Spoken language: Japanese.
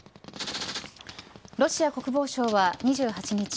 ロシア国防省は２８日